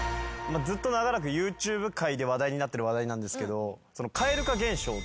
ずっと長らくＹｏｕＴｕｂｅ界で話題になってる話題なんですけど。